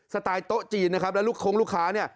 ไตล์โต๊ะจีนนะครับแล้วลูกโค้งลูกค้าเนี่ย